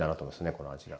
この味は。